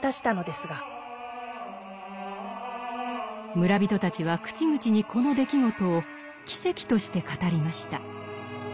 村人たちは口々にこの出来事を「奇蹟」として語りました。